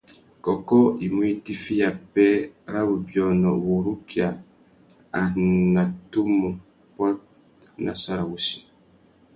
Kôkô i mú itiffiya pêh râ wubiônô wurukia a nà tumu pôt nà sarawussi.